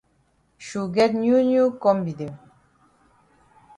Shu get new new kombi dem.